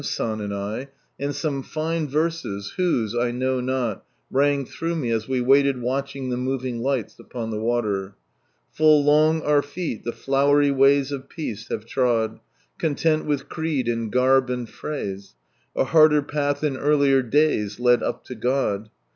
San and I, and some fine verses, whose I know not, rang through me as we waited watching the moving lights upon the water^ " Full long our feci the flowery wnys of peace have irotl, Content willi creed and garb and phrase, A hauler path in earlier days led up to God.